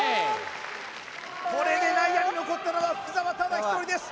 これで内野に残ったのが福澤ただ１人です